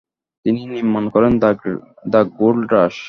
তিনি নির্মাণ করেন দ্য গোল্ড রাশ।